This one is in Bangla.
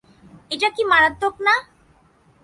এটা কি মারাত্মক না?